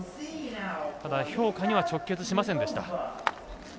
評価には直結しませんでした。